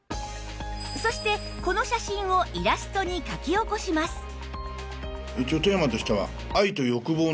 そしてこの写真をイラストに描き起こします